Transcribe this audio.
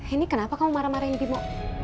ini kenapa kamu marah marahin bimo